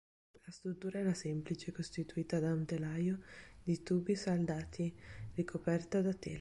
La struttura era semplice, costituita da un telaio di tubi saldati ricoperta da tela.